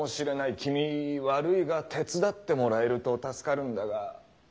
君悪いが手伝ってもらえると助かるんだが。